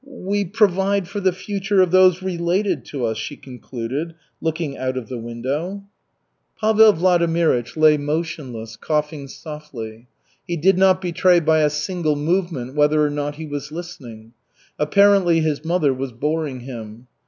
"We provide for the future of those related to us," she concluded, looking out of the window. Pavel Vladimirych lay motionless, coughing softly. He did not betray by a single movement whether or not he was listening. Apparently his mother was boring him.